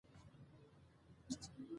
پښتو ژبه ډېر ځانګړي غږونه لري.